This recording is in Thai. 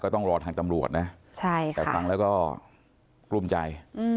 ต้องรอทางตำรวจนะแต่ฟังแล้วก็กลุ้มใจ